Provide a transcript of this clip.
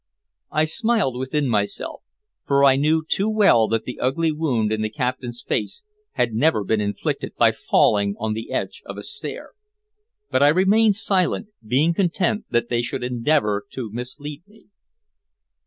I smiled within myself, for I knew too well that the ugly wound in the captain's face had never been inflicted by falling on the edge of a stair. But I remained silent, being content that they should endeavor to mislead me.